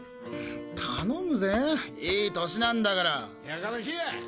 頼むぜいい歳なんだから。やかましいわ！